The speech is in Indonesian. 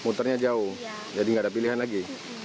muternya jauh jadi nggak ada pilihan lagi